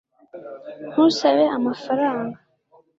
ntusabe amafaranga